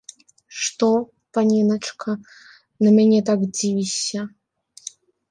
Што, паненачка, на мяне так дзівішся?